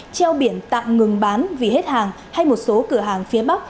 treo biển tạm ngừng bán vì hết hàng hay một số cửa hàng phía bắc